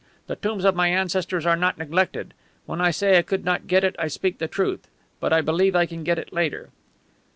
"The tombs of my ancestors are not neglected. When I say I could not get it I speak the truth. But I believe I can get it later."